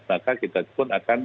maka kita pun akan